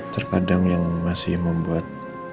terkadang yang masih membuat